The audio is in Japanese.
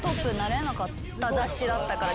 雑誌だったから。